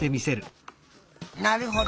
なるほど。